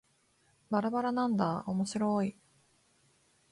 ばらばらなんだーおもしろーい